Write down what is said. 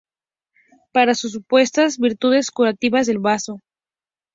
Por sus supuestas virtudes curativas del bazo.